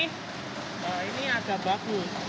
kalau ini agak bagus